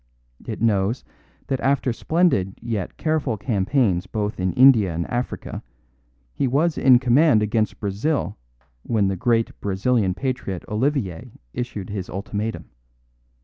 It knows that after splendid yet careful campaigns both in India and Africa he was in command against Brazil when the great Brazilian patriot Olivier issued his ultimatum.